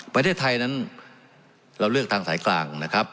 ประเทศไทยนั้นเราเลือกทางสายกลางนะครับ